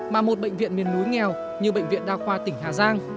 mà một bệnh viện miền núi nghèo như bệnh viện đa khoa tỉnh hà giang